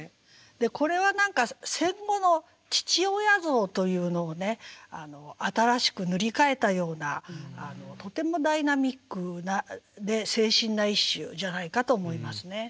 これは戦後の父親像というのを新しく塗り替えたようなとてもダイナミックで清新な一首じゃないかと思いますね。